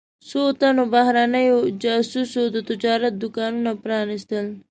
څو تنو بهرنیو جواسیسو د تجارت دوکانونه پرانیستل.